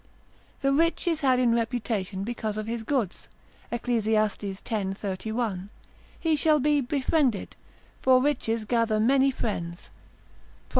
The rich is had in reputation because of his goods, Eccl. x. 31. He shall be befriended: for riches gather many friends, Prov.